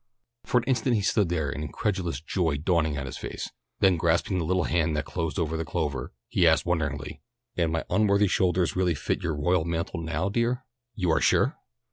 For an instant he stood there, an incredulous joy dawning in his face, then grasping the little hand that closed over the clover, he asked wonderingly, "And my unworthy shoulders really fit your royal mantle now, dear? You are sure?"